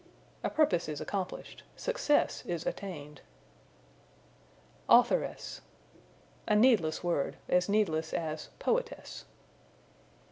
A purpose is accomplished; success is attained. Authoress. A needless word as needless as "poetess."